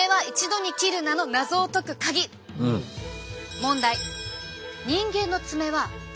問題！